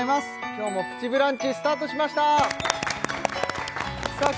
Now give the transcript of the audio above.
今日も「プチブランチ」スタートしましたさあ